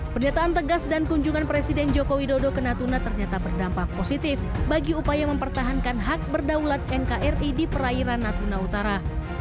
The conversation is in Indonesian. pernyataan tegas dan kunjungan presiden joko widodo ke natuna ternyata berdampak positif bagi upaya mempertahankan hak berdaulat nkri di perairan natuna utara